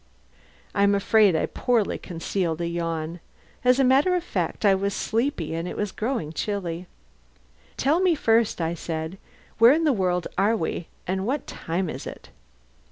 I'm afraid I poorly concealed a yawn. As a matter of fact I was sleepy, and it was growing chilly. "Tell me first," I said, "where in the world are we, and what time is it?"